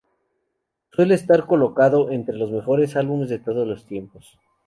Suele estar colocado entre los mejores álbumes de todos los tiempos.